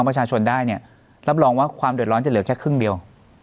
ประชาชนได้รับรองแล้วว่าความเดินร้อนจะเหลือแค่ครึ่งเดียว